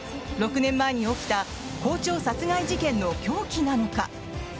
６年前に起きた校長殺害事件の凶器なのか？